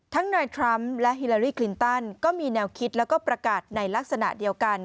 นายทรัมป์และฮิลาลี่คลินตันก็มีแนวคิดแล้วก็ประกาศในลักษณะเดียวกัน